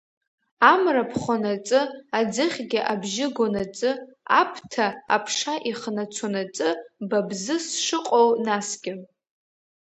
Амра ԥхонаҵы, Аӡыхьгьы абжьы гонаҵы, Аԥҭа аԥша ихнацонаҵы, ба бзы сшыҟоу насгьы!